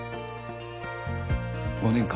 ５年間。